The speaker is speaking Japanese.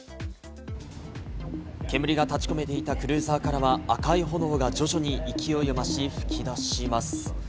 煙が立ち込めていたクルーザーからは、赤い炎が徐々に勢いを増し、噴き出します。